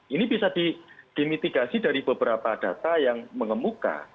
ini bisa dimitigasi dari beberapa data yang mengemuka